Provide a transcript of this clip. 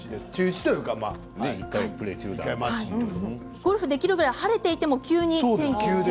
ゴルフができるくらい晴れていても急に。